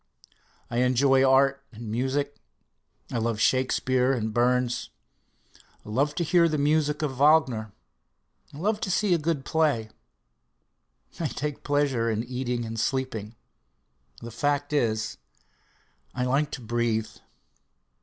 I enjoy art and music. I love Shakespeare and Burns; love to hear the music of Wagner; love to see a good play. I take pleasure in eating and sleeping. The fact is, I like to breathe.